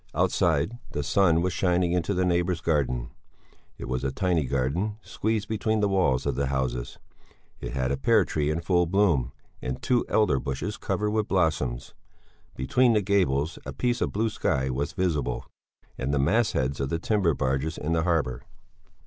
Outside the sun was shining into the neighbour's garden. It was a tiny garden squeezed between the walls of the houses; it had a pear tree in full bloom, and two elder bushes covered with blossoms; between the gables a piece of blue sky was visible and the mast heads of the timber barges in the harbour.